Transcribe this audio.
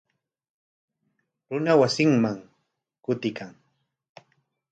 Runa wasinman kutiykan.